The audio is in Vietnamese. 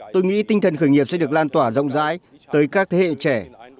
tôi nghĩ tinh thần khởi nghiệp sẽ được lan tỏa rộng rãi tới các thế hệ trẻ